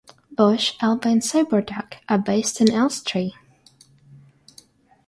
Bush, Alba and Cyber-Duck are based in Elstree.